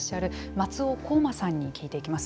松尾光馬さんに聞いていきます。